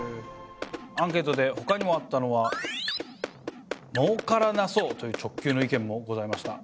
アンケートでほかにもあったのは儲からなそうという直球の意見もございました。